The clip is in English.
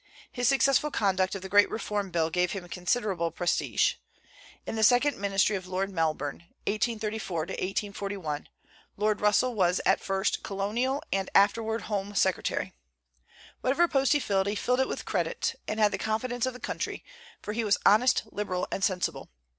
His successful conduct of the great Reform Bill gave him considerable prestige. In the second ministry of Lord Melbourne, 1834 1841, Lord Russell was at first colonial and afterward home secretary. Whatever the post he filled, he filled it with credit, and had the confidence of the country; for he was honest, liberal, and sensible.